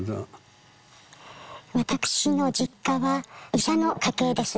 私の実家は医者の家系です。